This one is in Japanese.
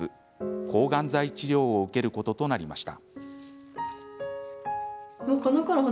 抗がん剤治療を受けることとなりました。